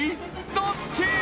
どっち？